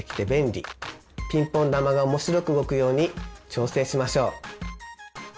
ピンポン球が面白く動くように調整しましょう！